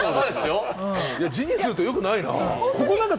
字にすると、よくないな！